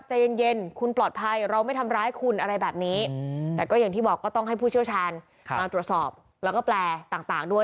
ใจเย็นคุณปลอดภัยเราไม่ทำร้ายคุณอะไรแบบนี้แต่ก็อย่างที่บอกก็ต้องให้ผู้เชี่ยวชาญมาตรวจสอบแล้วก็แปลต่างด้วย